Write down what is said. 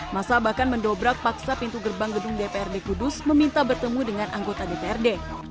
masa bahkan mendobrak paksa pintu gerbang gedung dprd kudus meminta bertemu dengan anggota dprd